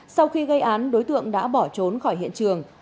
sau khi gây án đối tượng đã bỏ trốn khỏi hiện trường